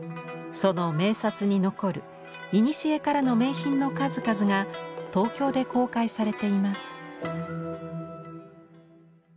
その名刹に残るいにしえからの名品の数々が東京で公開されています。